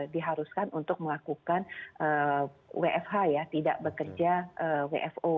diharuskan untuk melakukan wfh ya tidak bekerja wfo